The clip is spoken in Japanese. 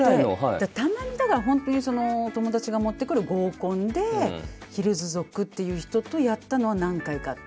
たまにだから本当にお友達が持ってくるっていう人とやったのは何回かあった。